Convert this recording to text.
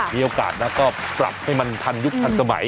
มีโอกาสนะก็ปรับให้มันทันยุคทันสมัย